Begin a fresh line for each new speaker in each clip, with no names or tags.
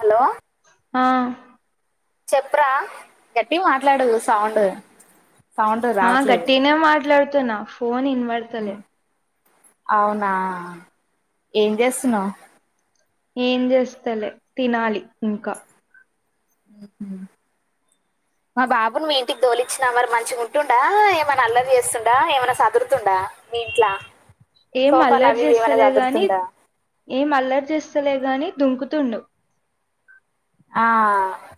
Hello
ఆ
చెప్పు రా గట్టిమాట్లాడు సౌండ్ సౌండ్
ఆ
రావట్లేదు
గట్టిగనే మాట్లాడుతున్నా ఫోన్ ఇనబడతలే
అవునా ఏం చేస్తున్నావ్
ఏం చేస్తలే తినాలి ఇంకా
ఉ మా బాబును మీ ఇంటికి తోలిచ్చినా మరి మంచిగా ఉంటుడా ఏమన్నా అల్లరి చేస్తుండా ఏమన్నా సదురుతుండా మీ ఇంట్లా
ఏం
సోఫాలు
అల్లరి
అవి ఇవి ఏమన్నా
చేస్తలే గాని
సదురుతుండా
ఏం అల్లరి చేస్తలే గాని దుంకుతుండు
ఆ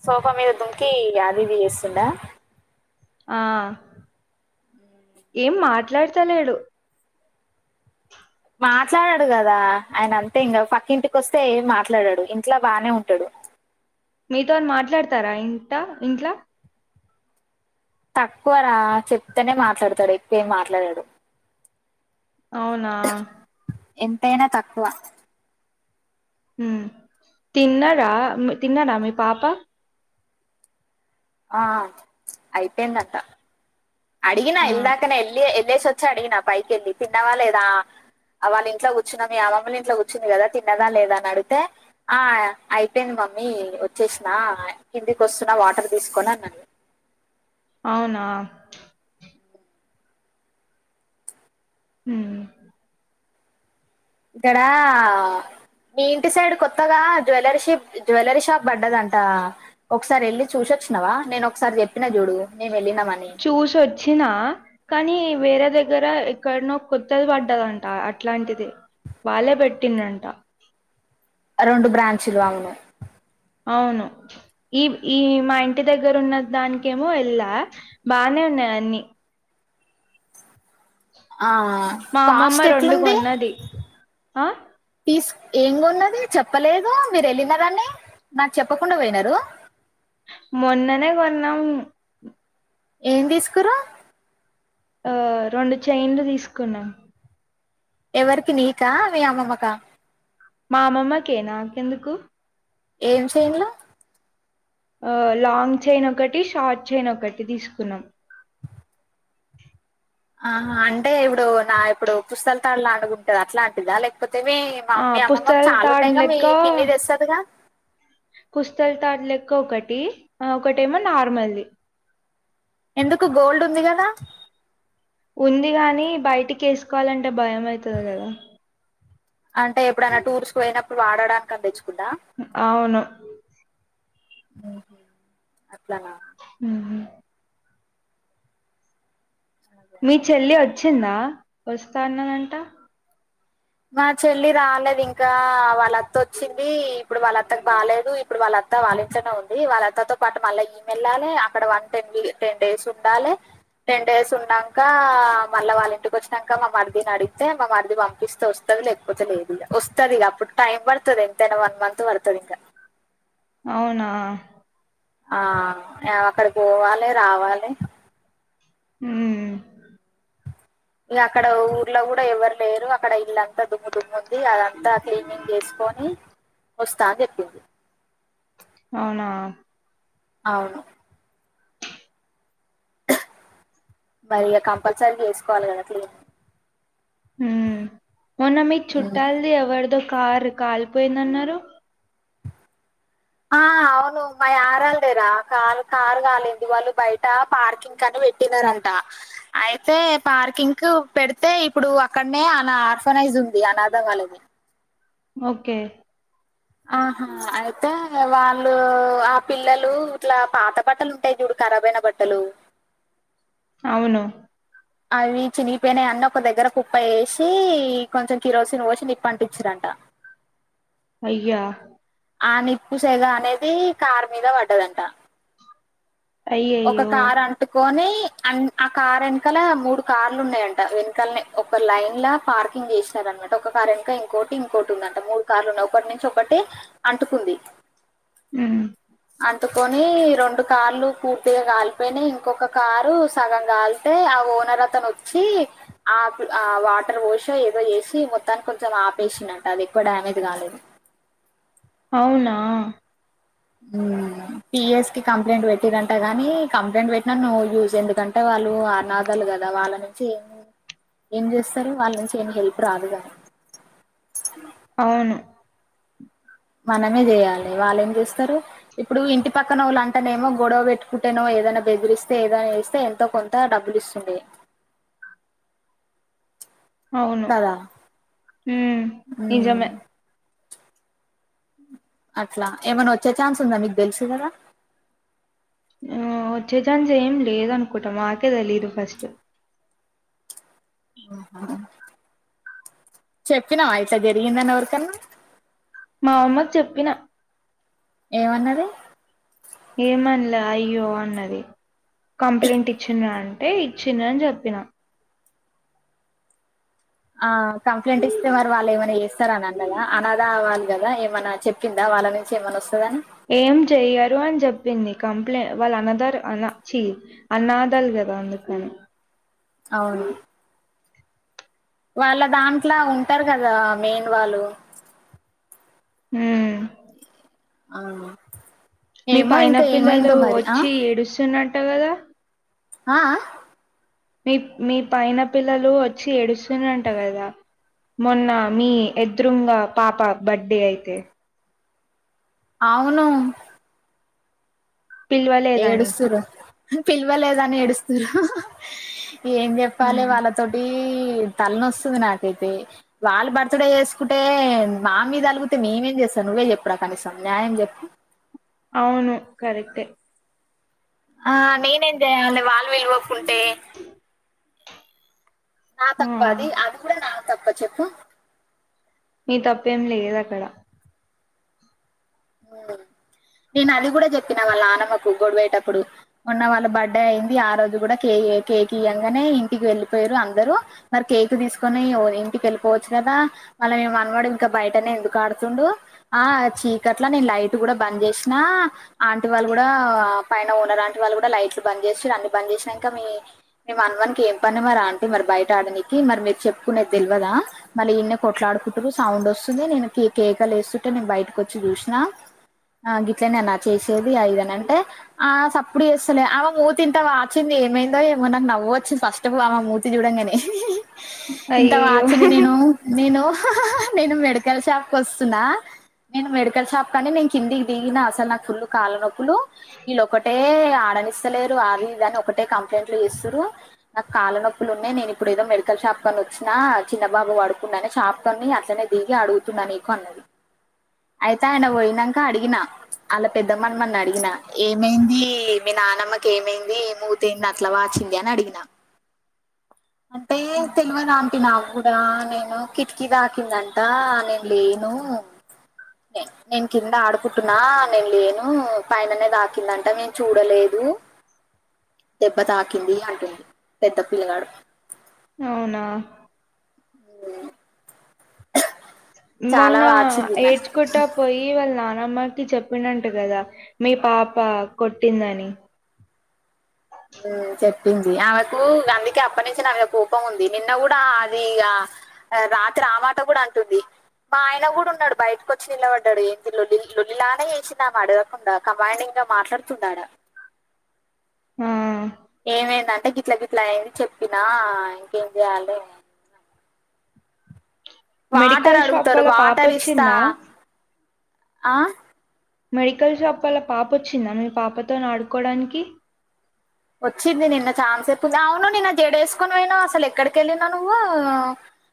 సోఫా మీద దుంకి ఇగ అది ఇది చేస్తుండా
ఆ ఏం మాట్లాడతలేడు
మాట్లాడడు గదా ఆయన అంతే ఇంగా పక్కి ఇంటికి వస్తే మాట్లాడడు ఏం ఇంట్ల బానే ఉంటాడు
మీతోని మాట్లాడతారా ఇంట ఇంట్లా
తక్కువరా చెప్తేనే మాట్లాడతడు ఎక్కువేమి మాట్లాడడు
అవునా
ఎంతైనా తక్కువ
ఉ తిన్నరా తిన్నాదా మీ పాప
ఆ అయిపోయిందంట అడిగినా
ఆ
ఇందాకనే వెళ్లి వెళ్ళేసి వచ్చి అడిగినా పైకి వెళ్ళి తిన్నవా లేదా వాళ్ళ ఇంట్లో కూర్చున్న మీ అమ్మల్ని ఇంట్లో కూచుంది కదా తిన్నదా లేదా అడితే ఆ అయిపోయింది మమ్మీ వచ్చేసిన కిందికి వస్తున్నా వాటర్ తీసుకుని అన్నది
అవునా ఉ
ఇక్కడా మీ ఇంటి సైడ్ కొత్తగా జ్యవెల్లరీ షెప్ జ్యవల్లరీ షాప్ పడ్డదంట ఒకసారి వెళ్ళి చూసొచ్చినవా నేన ఒకసారి చెప్పిన చూడు మేము వెళ్ళినామని
చూసి వొచ్చినా కానీ వేరే దగ్గర ఎక్కడనో కొత్తది పడ్డదంట అట్లాంటిది వాళ్లే పెట్టిడట్ర
రెండు బ్రాంచులు అవును
అవును ఈ ఈ మా ఇంటి దగ్గర ఉన్న దానికేమో వెళ్ళా బానే ఉన్నది అన్ని
ఆ
మా అమ్మమ్మ
కాస్ట్
రెండు
ఎట్లుంది
కొన్నది ఆ
తీస్ ఏం కొన్నది చెప్పలేదు మీరు వెళ్ళినారని నాకు చెప్పకుండా పోయినారు
మొన్ననే కొన్నాం
ఏం తీసుకుర్రు
ఆ రెండు చైన్లు తీసుకున్న
ఎవరికి నీకా మీ అమ్మమ్మకా
మా అమ్మమ్మకే నాకెందుకు
ఏం చేయనులు
ఆ లాంగ్ చైన్ ఒకటి షార్ట్ చైన్ ఒకటి తీసుకున్నాం
ఆహ అంటే ఇప్పుడు నా ఇప్పుడు పుస్తెలతాడు లాగుటు ఉంటదా అట్లాంటిదా లేకపోతే ఏమి
ఆ
మమ్మీ అమ్మమ్మకు
పుస్తల తాడు
చాలుంటాయిగా మీ
లెక్క
పిన్ని తెస్తదిగా
పుస్తెలతాడు లెక్క ఒకటి ఒకటేమో నార్మల్ ది
ఎందుకు గోల్డ్ ఉంది కదా
ఉంది గాని బయటికి వేసుకోవాలంటే భయం అయితుది కదా
అంటే ఎప్పుడైనా టూర్స్ పోయినప్పుడు వాడటానికని తేచ్చుకుందాం
అవును
అట్లనా
ఉ
అే
మీ చెల్లి వచ్చిందా వస్తా అన్నదంట
మా చెల్లి రాలేదు ఇంకా వాళ్ళ అత్త వచ్చింది ఇప్పుడు వాళ్ళ అత్తకు బాలేదు ఇపు ఇప్పుడు వాళ్ళ అత్త వాళ్ళ ఇంట్లోనే ఉంది వాళ్ళ అత్తతో పాటు మల్ల ఈమె ఎల్లాలే అక్కడ వన్ టెన్ టెన్ డేస్ ఉండాలే టెన్ డేస్ ఉన్నాక మల్ల వాళ్ళ ఇంటికి వచ్చినాక మా మరదిని అడిగితే మా మరది పంపిస్తే వస్త ఉంటది లేకపోతే లేదు ఇక వస్తది ఇక అప్పుడు టైం పడతది ఎంతైనా వన్ మంత్ పడతది ఇంకా
అవునా
ఆ ఆవే అక్కడ పోవాలే రావాలే
ఉ
ఇక అక్కడ ఊర్లో కూడా ఎవరు లేరు అక్కడ ఇల్లంతా దుమ్ము దుమ్ము ఉంది అదంతా క్లీనింగ్ చేసుకొని వస్తా అని చెప్పింది
అవునా
అవును మరికా కంల్సరీగా చేసుకోవాలే కదా క్లీనింగ్
ఉ మొన్న మీ
ఉమ్
చుట్టాలది ఎవరిదో కార్ కాలిపోయిందన్నారు
ఆ అవును మై ఆరాల్దేరా కారు కారు కాలింది వాళ్ల బయట పార్కింగ్ కాను పెట్టినరంట అయితే పార్కింగ్ కు పెడితే ఇప్పుడు అక్కడనే అనా అర్ఫనైజ్ ఉంది అనాధ వాళ్లకి
ఓకే
ఆహా అయితే వాళ్లు ఆ పిల్లలు ఇట్లా పాత బట్టలు ఉం ఉంటాయి చూడు కరాబ్ అయిన బట్టలు
అవును
అవి చినిగిపోయిన అన్ని ఒక దగ్గర కుప్ప వేసి కొంచెం కిరోసిన్ పోసి నిప్పంటిచిరంట
అయ్యా.
ఆ నిప్పుసేగ అనేది కార్ మీద వడ్డదంట. ఒక
అయ్యయ్యో
కార్ అంటుకొనీ ఆన్ ఆ కార్ ఏనుకల మూడు కార్లు ఉన్నాయంట వెనుక్లనే ఒక లైనళ్ల పార్కింగ్ జేస్తారన్నట్టు ఒక కార్ ఏన్క ఇంకోటి ఇంకోటి ఉందంట మూడు కార్లు ఉన్నాయి ఒకటి నుంచి ఒకటి. అంటుకుంది.
ఉమ్.
అంటుకని రొండు కార్లు. పూర్తిగా కాలిపోయినయ్ ఇంకొక కారు సగం గాలితే ఆ ఓనర్ అతను ఓచ్చి. ఆప్ ఆ వాటర్ వోషీ ఏదో యేసి మొత్తానికి కొంచం ఆపేసిడంట అది ఎక్కువ డ్యామేజ్ కాలేదు.
అవునా.
మ్ పిఎస్ కి కంప్లైంట్ పెట్టిరంటగని కంప్లైంట్ వేట్టినా నో యూజ్ ఎందుకం. అంటే వాళ్ళు అనాథాలు గదా వాళ్ళ నుంచి ఏమీ. ఏం జేస్తారు వాళ్ నుంచి ఎం హెల్ప్ రాదు గనీ.
అవును.
మనమే జేయాలి వాళ్ళేం జేస్తారు. ఇప్పుడు ఇంటి పక్కనోళ్ళు అంతటేమో గొడవ వేట్టుకుంటేనో ఏదైనా బెదిరిస్తే ఏదైనా ఏస్తే ఎంతో కొం. దా డబ్బులిస్తుందడె.
అవును
కదా
మ్
మ్మ్
నిజమే.
అట్లా ఏమన్నా ఓచ్చే ఛాన్స్ ఉందా మీకు దెల్సు గదా.
ఏమో వచ్చే ఛాన్స్ ఏం లేదు అనుకుంట మాకే తెలీయదు ఫస్టు.
చెప్పినావా ఇట్ల జరిగిందనేవరికన్నా.
మా అమ్మక్ చెప్పిన.
ఏమన్నది.
ఏమన్లే అయ్యో అన్నది కంప్లైంట్ ఇచ్చినా అని. ఏ ఇచ్చిన అన్ జేప్పిన.
ఆ కంప్లైంట్ ఇస్తే మరి వాళ్ళు ఏమైనా ఏస్తర అని అన్నదా అనదా వాళ్ళు. కదా ఏమన్నా చెప్పిందా వాళ్ళ నుంచి ఏమైన్నా ఓస్తదని.
ఏం చెయ్యరు అని జేప్పింది కంప్లై వాళ్ళ అనధర్ అన ఛీ. అన్నాధలు గదా అందుకని.
అవును. వాళ్ళ దాంట్ల ఉంటరు గదా మెయిన్ వాళ్ళు.
ఉమ్.
అవును.
మీ పైన పిల్లలు ఓచ్చి ఏడుస్తున్నట్ట గదా.
ఆ ఆ.
మీ మీ పైన పిల్లలు వోచ్చి ఏడుస్తున్నంట గదా. మొన్న మీ ఎధ్రుంగా పాప బడ్డే అయితే.
అవును.
పిలవలేదని
ఏడుస్తుర్ర పిలవలేదని ఏడుస్తుర్ర ఏం జేప్పాలే
ఉమ్
వాళ్ళ. తోటి ఈ తలనొస్తుంది నాకైతే వాళ్ళు బర్త్డే యేసుకుంటే. మా మీద అలుగుతే మేమేం జేస్తాం నువ్వే చెప్పు రా కనీసం న్యాయం జేప్పు.
అవును కరెక్టే.
ఆ నేనేం జేయాలే వాళ్ళు వీలువ కుంటే. నా
ఆ
తప్పా అది అది గుడా నా తప్పా చెప్పు.
నీ తప్పేం లేదక్కడ.
హ్మ్. నేను అది గూడ చెప్పినా వాళ్ళ నన్నామ్మకు గొడువయేటప్పుడు మొన్న వాళ్ళ బర్త్ డే అయింది ఆ రోజు కూడా కే కేక్ ఇయ్యంగానే ఇంటికి వెళ్లిపోయారు అందరూ మరి కేక్ తీసుకొని వొళ్ళింటికి వెళ్ళిపోవచ్చు కదా వాళ్ళ మీ మనమడు ఇంకా బయటనే ఎందుకు ఆడుతుండు ఆ చీ గట్లానే లైట్ కూడా బంద్ చేసిన ఆంటి వాళ్ళు కూడా పైన ఓనర్ ఆంటి వాళ్ళు కూడా లైట్లు బంద్ చేషి అన్ని బంద్ చేషినాక మీ మీ మనవనికి ఏం పని మరి అంటీ మరి బయట ఆడనికి మరి మీరు చెప్పుకునేది తెల్వదా మళ్ళీ ఈడనే కొట్లాడుకుటురు సౌండ్ వస్తుంది నేను కే కేకలు వేస్తుంటే నేను బయటకు వచ్చి చూసినా ఆ గిట్లనే నా చేసేది అది ఇదని అంటే ఆ సప్పుడు చేస్తలే అమె మూతింత వాచింది ఏమైందో ఏమో నాకు నువ్వు వచ్చింది ఫస్ట్ వాళ్ళ మూతి చూడంగానే ఇంత
అయ్యయ్యో
వాచ్చింది నేను నేను నేను మెడికల్ షాప్ కు వస్తున్నా నేను మెడికల్ షాప్ కనీ నేను కిందికి దగిన అసలు నాకు ఫుల్లు కాళ్ళ నొప్పులు వెళ్ళోకటే ఆడనిస్ స్తాలేరు అది ఇదిని ఒకటే కంప్లైంట్లు చేస్తురు నాకు కాళ్ళ నొప్పులు ఉన్నాయి నేను ఇప్పుడు ఏదో మెడికల్ షాప్ కని వచ్చినా చిన్నబాబు పడుకున్నానే షాప్ కని అట్నే దిగి అడుగుతున్నా నీకు అన్నది ఆయితే ఆయన పోయినంక అడిగిన అలా పెద్ద మనవన్నిఅడిగిన ఏమైంది మీ నానమ్మకి ఏమైంది ముత్ మూత్ ఏంది అట్లా వాచింది అని అడిగిన అంటే తెల్వదు ఆంటీ నాకు దా నేను కిటికీ తాకిందంట నేను లేను నేను కింద ఆడుకుంటున్నా నేను లేను పైననే తాకిందంట నేను చూడలేదు దెబ్బ తాకింది అంటుండు పెద్ద పిల్లగాడు
అవునా మొన్న
చాలా వాచిందిన్న
ఏడ్చుకుంట పోయి పోయి వాళ్ళ నానమ్మకి చెప్పిన అంట కదా మీ పాప కొట్టిందని
హ్మ్ చెప్పింది ఆమెకు గందుకే అప్పనుంచి నా మీద కోపం ఉంది నిన్న కూడా అది ఇగ రాత్రి ఆమాట కూడా అంటుంది మా ఆయన కూడా ఉన్నాడు బయటకు వచ్చి నిలబడ్డాడు ఏంది లొల్లి లొల్లిలానే ఎడ్సింది అన్నాడు కంబైనింగ్ గా మాట్లాడుతుందాడా
[unintelligible]
ఏమైంద అంటే గిట్ల గిట్ల అయింది చెప్పినా ఇంకేం చెయాలి వాటర్
మెడికల్ షాప్
అడుగుతారు
వాళ్ళ పాప
వాటర్ ఇస్తా
వచ్చిందా
ఆ
మెడికల్ షాప్ వల్ల పాప వచ్చిందా మీ పాపతో నీ ఆడుకోవడానికి
వచ్చింది నిన్న చఛాన్సేపు అవును నిన్న జడేసుకొని పోయినావు అస ఎక్కడికి ఎల్లినవు నువ్వు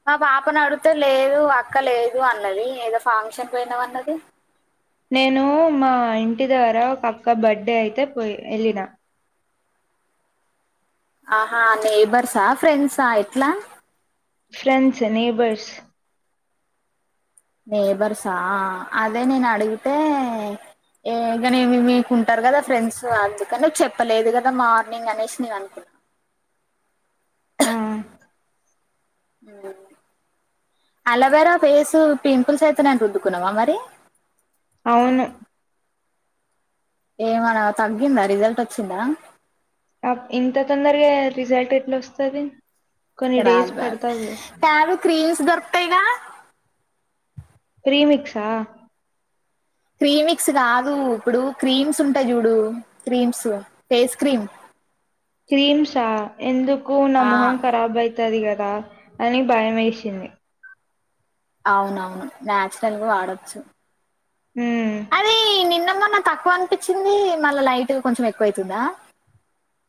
మా పాపను అడితే లేదు అక్క లేదు అన్నది ఏదో ఫంక్షన్ పోయేనవ్ అన్నది
నేను మా ఇంటి ద్వారా ఒక అక్క బర్త్డే అయితే పోయి వెళ్ళిన
ఆహా నేబర్సా ఫ్రెండ్సా ఎట్లా
ఫ్రెండ్స్ నేబర్స్
నేబర్సా అదే నేను అడిగితే ఏ కనీమి మీకున్టారు కదా ఫ్రెండ్స్ అందుకని చెప్పలేదు కదా మార్నింగ్ అనేసే నేను అనుకుం
ఆ
అలవేరా ఫేస్ పింపుల్స్ అయితునయని రుద్డుకున్నావా మరి
అవును
ఏమనా తగ్గిందా రిజల్ట్వచ్చిందా
ఆప్ ఇంత తొందరగా రిజల్ట్ ఎట్లోస్తది
ఇంక రాద్ రాద్ టాదు క్రీమ్స్ దొరుక్తాయిగా
క్రీమిక్సా
ప్రీమిక్స్ కాదు ఇప్పుడు క్రీమ్స్ ఉంటాయి చూడు క్రీమ్స్ ఫేస్ క్రీమ్
క్రీమ్సా ఎందుకు నా
ఆ
మొహం ఖరాబ్ అయితది కదా అని భయమేసింది
అవునవును నాచురల్ గా వాడొచ్చు
ఆ
అది నిన్న మొన్న తక్కువ అనిపిచింది మళ్ళా లైట్ గ కొంచెం ఎక్కువ అయేతుంద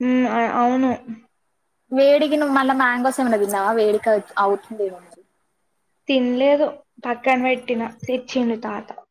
మ్ ఆ అవును
వేడిగి న్నూ మళ్ళ మ్యాంగోస్ ఏమనాదిన్నావా వేడికవు అవుతుందే మో
తిన్లేదు పక్కన పెట్టిన తెచ్చిండు తాత